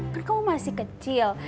kan kamu masih kecil